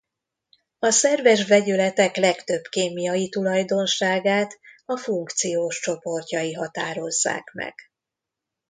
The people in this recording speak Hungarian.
A szerves vegyületek legtöbb kémiai tulajdonságát a funkciós csoportjai határozzák meg.